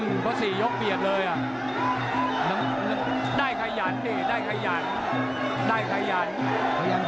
เพราะสี่ยกเปลี่ยนเลยได้ขยันได้ขยัน